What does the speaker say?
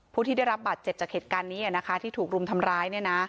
ผู้ที่ได้รับบาดเจ็บจากเหตุการณ์นี้ที่ถูกรุมทำร้าย